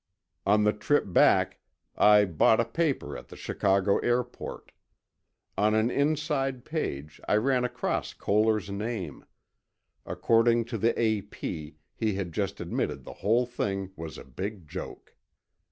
On the trip back, I bought a paper at the Chicago airport. On an inside page I ran across Koehler's name. According to the A.P., he had just admitted the whole thing was a big joke.